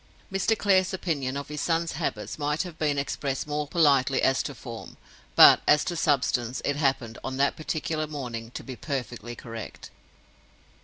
Mr. Clare's opinion of his son's habits might have been expressed more politely as to form; but, as to substance, it happened, on that particular morning, to be perfectly correct.